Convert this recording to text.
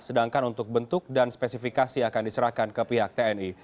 sedangkan untuk bentuk dan spesifikasi akan diserahkan ke pihak tni